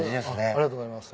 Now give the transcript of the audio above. ありがとうございます。